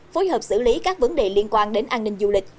phối hợp xử lý các vấn đề liên quan đến an ninh du lịch